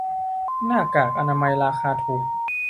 หน้ากากอนามัยราคาถูก